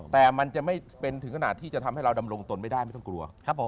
แต่มันจะไม่เป็นถึงขนาดที่จะทำให้เราดำรงตนไม่ได้ไม่ต้องกลัว